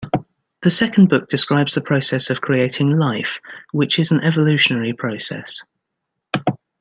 The second book describes the process of creating "life", which is an evolutionary process.